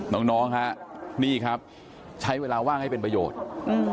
น้องน้องฮะนี่ครับใช้เวลาว่างให้เป็นประโยชน์อืม